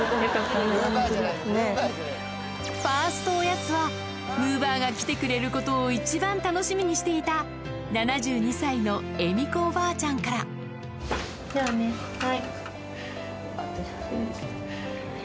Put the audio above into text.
ファーストおやつはむぅばあが来てくれることを一番楽しみにしていた７２歳の恵美子おばあちゃんからじゃあねはい。